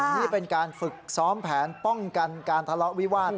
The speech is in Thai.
นี่เป็นการฝึกซ้อมแผนป้องกันการทะเลาะวิวาส